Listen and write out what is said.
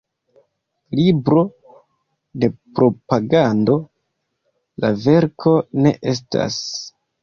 Libro de propagando la verko ne estas.